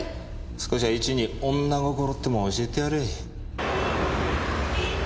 少しはイチに女心ってもんを教えてやれ。